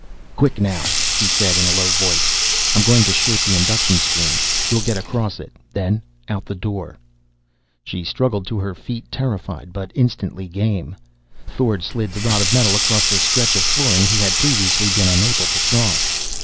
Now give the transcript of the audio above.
"Quick, now," he said in a low tone, "I'm going to short the induction screen. We'll get across it. Then out the door!" She struggled to her feet, terrified, but instantly game. Thorn slid the rod of metal across the stretch of flooring he had previously been unable to cross.